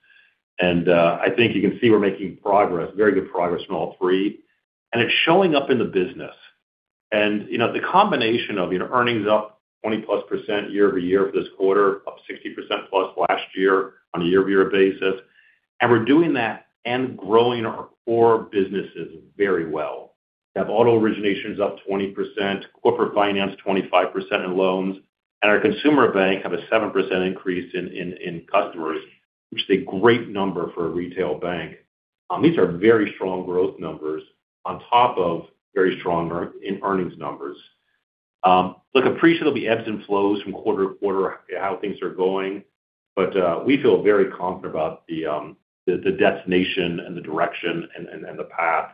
I think you can see we're making progress, very good progress on all three. It's showing up in the business. The combination of earnings up 20-plus% year-over-year for this quarter, up 60% plus last year on a year-over-year basis. We're doing that and growing our core businesses very well. We have auto originations up 20%, corporate finance 25% in loans, and our consumer bank have a 7% increase in customers, which is a great number for a retail bank. These are very strong growth numbers on top of very strong earnings numbers. Look, appreciate there'll be ebbs and flows from quarter-to-quarter how things are going. We feel very confident about the destination and the direction and the path.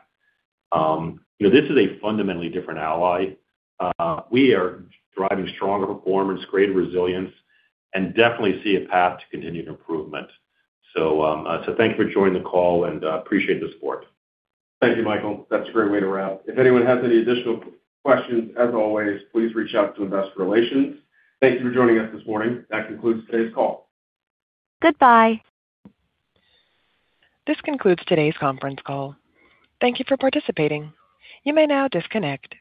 This is a fundamentally different Ally. We are driving stronger performance, greater resilience, and definitely see a path to continued improvement. Thank you for joining the call, and appreciate the support. Thank you, Michael. That's a great way to wrap. If anyone has any additional questions, as always, please reach out to Investor Relations. Thank you for joining us this morning. That concludes today's call. Goodbye. This concludes today's conference call. Thank you for participating. You may now disconnect.